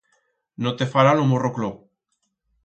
No te fará lo morro cloc.